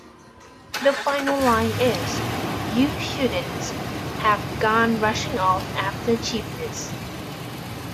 The final line is, "You shouldn't have gone rushing off after cheapness.